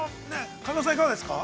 神尾さん、いかがですか。